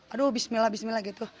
aduh bismillah bismillah gitu